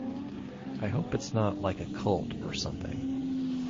I hope it's not like a cult or something